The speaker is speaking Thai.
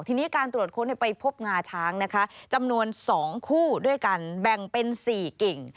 ทีนี้การตรวจค้นไปพบงาช้างนะคะจำนวน๒คู่ด้วยกันแบ่งเป็น๔กิ่ง